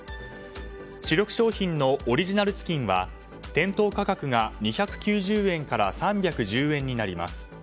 主力商品のオリジナルチキンは店頭価格が２９０円から３１０円になります。